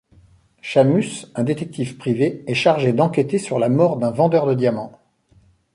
Shamus, un détective privé, est chargé d'enquêter sur la mort d'un vendeur de diamants.